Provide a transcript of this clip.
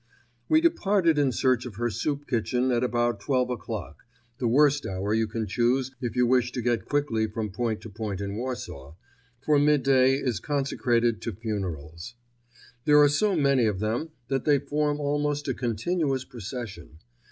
We departed in search of her soup kitchen at about twelve o'clock—the worst hour you can choose if you wish to get quickly from point to point in Warsaw, for midday is consecrated to funerals. There are so many of them that they form almost a continuous procession.